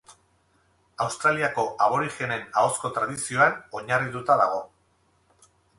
Australiako aborigenen ahozko tradizioan oinarrituta dago.